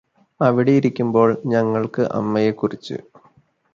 അവിടെ ഇരിക്കുമ്പോള് ഞങ്ങള്ക്ക് അമ്മയെക്കുറിച്ച്